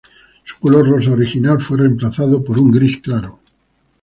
Su color rosa original fue reemplazado por un gris claro.